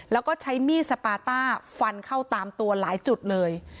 แล้วก็ใช้มีดสปาต้าฟันเข้าตามตัวหลายจุดเลย